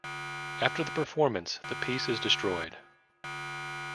After the performance, the piece is destroyed.